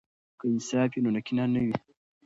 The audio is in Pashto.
که انصاف وي، نو کینه نه وي.